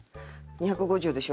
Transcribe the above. １５０でしょ？